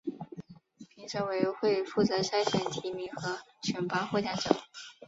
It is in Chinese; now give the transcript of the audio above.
评审委员会负责筛选提名和选拔获奖者。